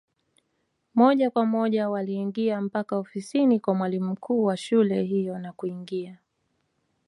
Moja kwa moja waliingia mpaka ofisini kwa mwalimu mkuu wa shule hiyo na kuingia